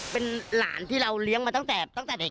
เป็นหลานที่เราเลี้ยงมาตั้งแต่เด็ก